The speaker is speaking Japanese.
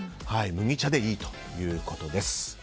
麦茶でいいということです。